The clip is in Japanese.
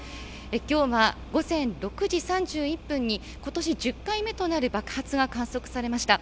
今日は午前６時３１分に今年１０回目となる爆発が観測されました。